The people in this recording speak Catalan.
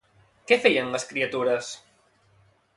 Què feien les criatures?